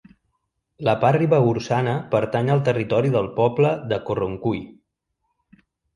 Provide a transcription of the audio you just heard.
La part ribagorçana pertany al territori del poble de Corroncui.